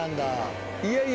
いやいや。